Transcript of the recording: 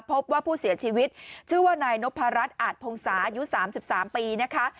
พบว่าผู้เสียชีวิตชื่อว่านายนพรัชอาจพงศาอายุ๓๓ปีนะคะ